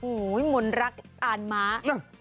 โอ้โหมนต์รักอ่านม้า